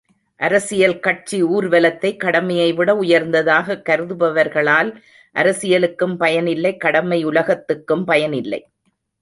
அரசியல் கட்சி ஊர்வலத்தை, கடமையை விட உயர்ந்ததாகக் கருதுபவர்களால் அரசியலுக்கும் பயன் இல்லை கடமை உலகத்துக்கும் பயன் இல்லை.